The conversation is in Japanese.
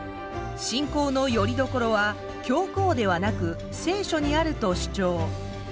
信仰のよりどころは教皇ではなく聖書にあると主張。